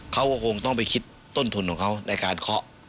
เขาก็คงต้องไปคิดต้นทุนของเขาในการเคาะ